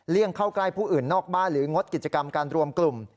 เข้าใกล้ผู้อื่นนอกบ้านหรืองดกิจกรรมการรวมกลุ่ม